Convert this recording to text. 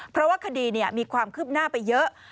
เพราะว่าคดีมีความคืบหน้าไปเยอะ